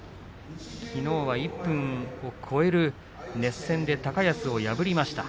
きのうは１分を超える熱戦で高安を破りました。